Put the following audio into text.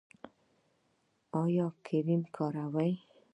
ایا کریم کاروئ؟